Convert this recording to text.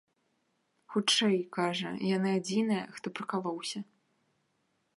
Хутчэй, кажа, яны адзіныя, хто пракалоўся.